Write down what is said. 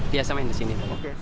biasanya main di sini